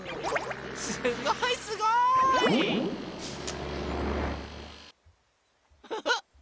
すごいすごい！フフ。